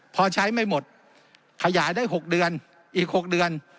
พอใช้ไม่หมดขยายได้๖เดือนอีก๖เดือน